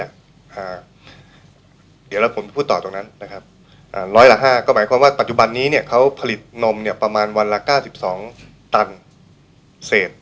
เดี๋ยวเราพูดต่อตรงนั้น๑๐๐ละ๕ก็หมายความว่าปัจจุบันนี้เขาผลิตนมประมาณวันละ๙๒ตันเสด